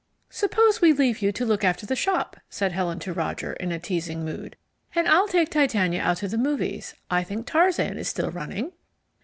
"Suppose we leave you to look after the shop," said Helen to Roger, in a teasing mood, "and I'll take Titania out to the movies. I think Tarzan is still running."